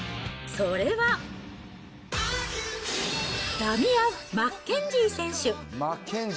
それは、ダミアン・マッケンジー選手。